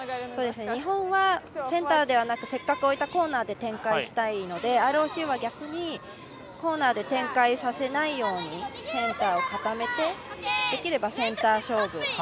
日本はセンターではなくせっかく置いたコーナーで展開したいのでＲＯＣは逆にコーナーで展開させないようにセンターを固めてできればセンター勝負。